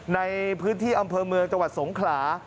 ในพื้นที่อำเภอเมืองจังหวัดสงขลา